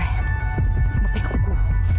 คอยดู